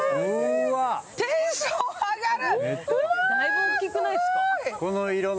テンション上がる。